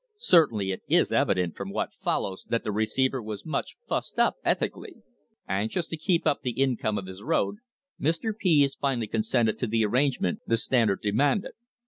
Certainly it is evident from what follows that the receiver was much "fussed up" ethically. Anxious to keep up the income of his road, Mr. Pease finally consented to the arrangement the Standard demanded.